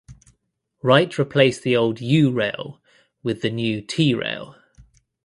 Wright replaced the old "U" rail with new "T" rail.